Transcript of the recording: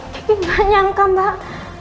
kiki gak nyangka mbak